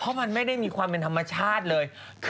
เพราะมันไม่ได้มีความเป็นธรรมชาติเลย